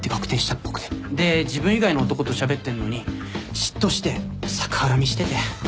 で自分以外の男としゃべってるのに嫉妬して逆恨みしてて。